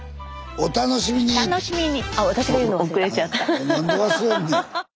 お楽しみに。